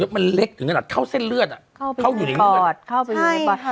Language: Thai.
มันเล็กถึงกระดาษเข้าเส้นเลือดเข้าอยู่ในเลือด